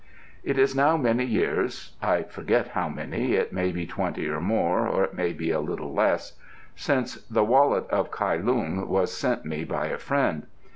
It is now many years I forget how many; it may be twenty or more, or it may be a little less since The Wallet of Kai Lung was sent me by a friend.